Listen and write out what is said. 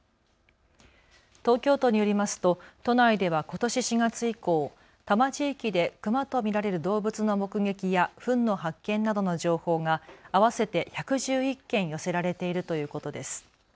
東京都によりますと都内ではことし４月以降、多摩地域でクマと見られる動物の目撃やふんの発見などの情報が合わせて１１１件寄せられているということです。